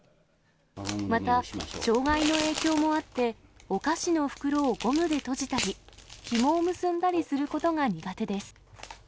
また、障害の影響もあって、お菓子の袋をゴムで閉じたり、ひもを結んだりすることが苦手です。